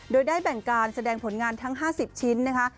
โดยได้แบ่งการแสดงผลงานทั้ง๕๐ชิ้นนะคะ